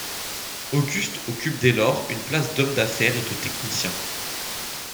August occupe dès lors une place d’homme d’affaires et de technicien.